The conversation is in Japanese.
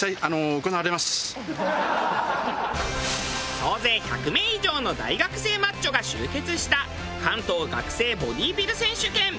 総勢１００名以上の大学生マッチョが集結した関東学生ボディビル選手権。